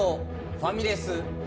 「ファミレス」。